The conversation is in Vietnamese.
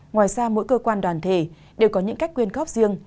ngoài ra mỗi cơ quan đoàn thể đều có những cách quyên góp riêng